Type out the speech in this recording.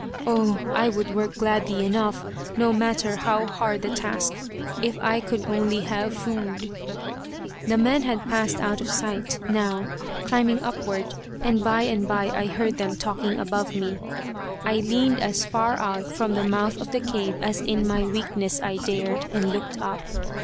Oh I would work gladly enough, no matter how hard the task, if I could only have food. The men had passed out of sight, now, climbing upward, and by and by I heard them talking above me. I leaned as far out from the mouth of the cave as in my weakness I dared, and looked up.